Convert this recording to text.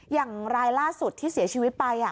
อย่างรายล่าสุดที่เสียชีวิตไป